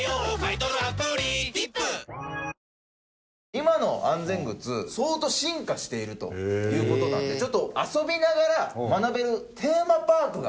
今の安全靴相当進化しているという事なのでちょっと遊びながら学べるテーマパークが。